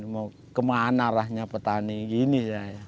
mau kemana arahnya petani gini